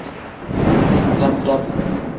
Dab-dab.